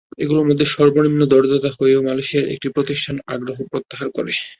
এগুলোর মধ্যে সর্বনিম্ন দরদাতা হয়েও মালয়েশিয়ার একটি প্রতিষ্ঠান আগ্রহ প্রত্যাহার করে।